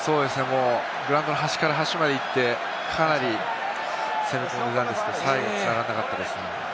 グラウンドの端から端まで行って、かなり攻め込んでいたんですけど、最後、繋がらなかったですね。